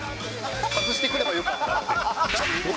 外してくればよかったって。